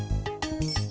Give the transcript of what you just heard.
saya sudah selesai